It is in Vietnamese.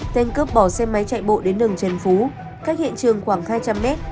tên cướp bỏ xe máy chạy bộ đến đường trần phú cách hiện trường khoảng hai trăm linh mét